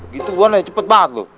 gitu buan aja cepet banget lu